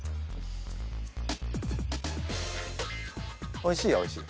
おいしいはおいしい？